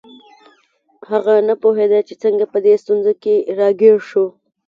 هغه نه پوهیده چې څنګه په دې ستونزه کې راګیر شو